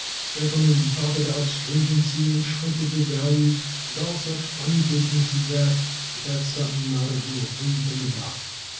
"Gentlemen, we talk about stringency and shrinkage of values, and all such funny business as that; but that's something I don't know a blamed thing about.